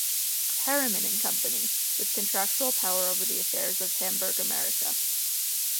Harriman and Company, with contractual power over the affairs of the Hamburg-Amerika.